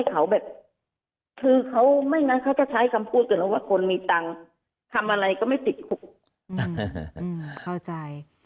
คือจะให้เขาแบบ